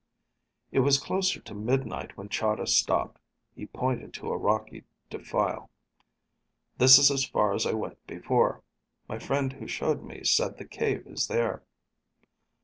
It was closer to midnight when Chahda stopped. He pointed to a rocky defile. "This is as far as I went before. My friend who showed me said the cave is there."